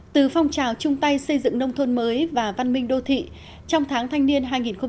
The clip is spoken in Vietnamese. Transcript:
từ phong trào chung tay xây dựng nông thôn mới và văn minh đô thị trong tháng thanh niên hai nghìn một mươi chín